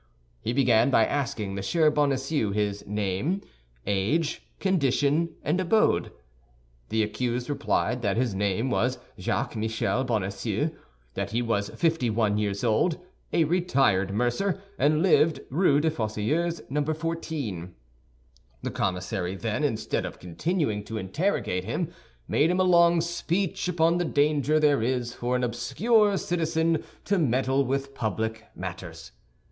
He began by asking M. Bonacieux his name, age, condition, and abode. The accused replied that his name was Jacques Michel Bonacieux, that he was fifty one years old, a retired mercer, and lived Rue des Fossoyeurs, No. 14. The commissary then, instead of continuing to interrogate him, made him a long speech upon the danger there is for an obscure citizen to meddle with public matters.